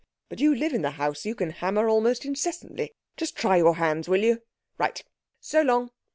But you live in the house. You can hammer almost incessantly. Just try your hands, will you? Right. So long!"